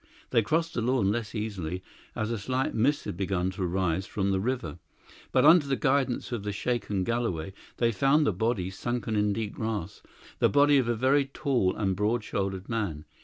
They crossed the lawn less easily, as a slight mist had begun to rise from the river; but under the guidance of the shaken Galloway they found the body sunken in deep grass the body of a very tall and broad shouldered man.